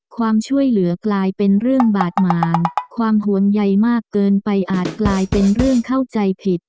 ความช่วยเหลือกลายเป็นเรื่องบาดหมางความห่วงใยมากเกินไปอาจกลายเป็นเรื่องเข้าใจผิด